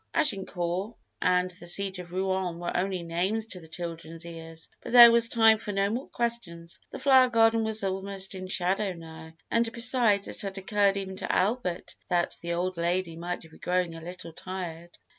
Agincourt and the siege of Rouen were only names to the children's ears. But there was time for no more questions; the flower garden was almost all in shadow now, and besides it had occurred even to Albert that the "old lady" might be growing a little tired.